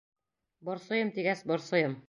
— Борсойом тигәс борсойом.